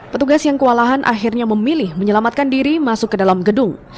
petugas yang kewalahan akhirnya memilih menyelamatkan diri masuk ke dalam gedung